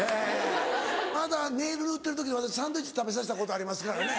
まだネイル塗ってる時に私サンドイッチ食べさせたことありますからね。